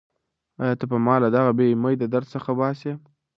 ایا ته به ما له دغه بېامیده درد څخه وباسې؟